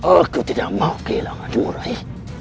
aku tidak mau kehilanganmu raih